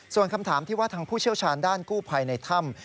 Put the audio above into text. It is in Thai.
ส่วนคำถามที่ว่าทางผู้เชี่ยวชาญด้านกู้ภัยในถ้ำ